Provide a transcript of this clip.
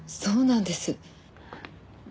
そうなんです。